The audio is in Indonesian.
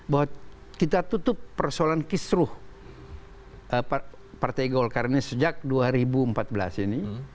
bahwa kita tutup persoalan kisruh partai golkar ini sejak dua ribu empat belas ini